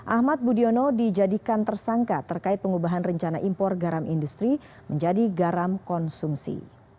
ahmad budiono dijadikan tersangka terkait pengubahan rencana impor garam industri menjadi garam konsumsi